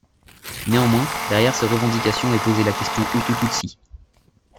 Néanmoins, derrière ces revendications est posée la question Hutu-Tutsi.